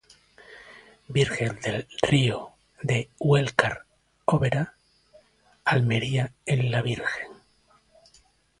Virgen del Río de Huercal-Óvera, Almería en la Virgen.